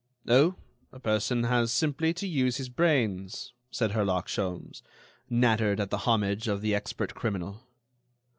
"Oh! a person has simply to use his brains," said Herlock Sholmes, nattered at the homage of the expert criminal.